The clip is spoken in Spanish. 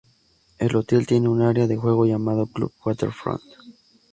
El hotel tiene un área de juego llamado Club Waterfront.